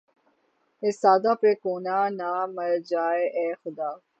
اس سادہ پہ کونہ نہ مر جائے اے خدا